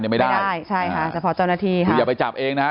ไม่ได้ใช่ค่ะเฉพาะเจ้าหน้าที่ค่ะคืออย่าไปจับเองนะฮะ